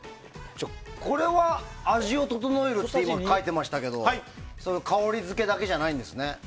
味を調えると書いていましたが香りづけだけじゃないんですね。